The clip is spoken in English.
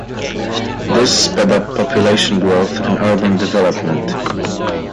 This sped up population growth and urban development.